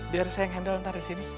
biar saya ngendal ntar disini